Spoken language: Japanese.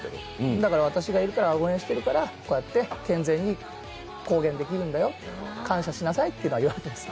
だから私がいるから、応援してるから、こうやって健全に公言できるんだよ、感謝しなさいっていうのは言われていますね。